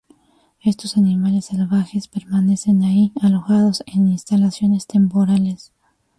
Estos animales salvajes permanecen allí, alojados en instalaciones temporales.